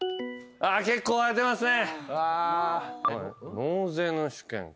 結構割れてますね。